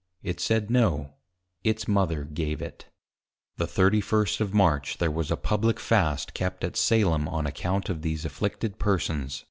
It said no, its Mother gave it. The 31 of March there was a Publick Fast kept at Salem on account of these Afflicted Persons.